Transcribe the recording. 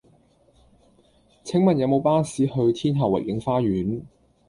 請問有無巴士去天后維景花園